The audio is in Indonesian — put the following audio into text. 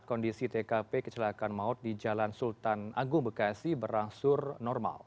kondisi tkp kecelakaan maut di jalan sultan agung bekasi berangsur normal